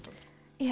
いえ。